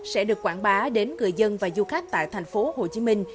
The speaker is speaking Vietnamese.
sẽ được quảng bá đến người dân và du khách tại tp hcm